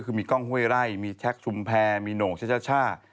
คือมีกล้องห้วยไร่มีแชคชุมแพรมีโหน่งช่า